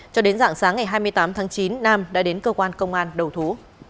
cho đến dạng sáng ngày hai mươi tám tháng chín nam đã đến cơ quan công an đầu thú